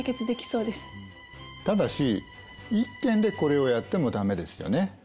ただし一軒でこれをやっても駄目ですよね。